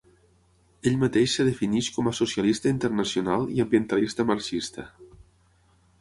Ell mateix es defineix com a socialista internacional i ambientalista marxista.